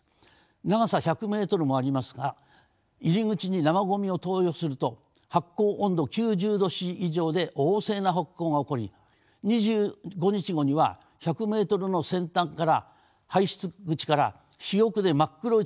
長さ１００メートルもありますが入り口に生ごみを投与すると発酵温度９０℃以上で旺盛な発酵が起こり２５日後には１００メートルの先端から排出口から肥沃で真っ黒い土が出てきます。